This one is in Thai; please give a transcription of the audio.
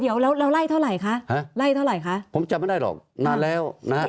เดี๋ยวแล้วเราไล่เท่าไหร่คะฮะไล่เท่าไหร่คะผมจำไม่ได้หรอกนานแล้วนะฮะ